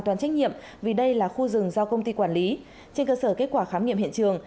toàn trách nhiệm vì đây là khu rừng do công ty quản lý trên cơ sở kết quả khám nghiệm hiện trường